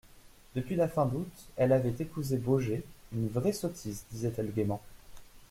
Depuis la fin d'août, elle avait épousé Baugé, une vraie sottise, disait-elle gaiement.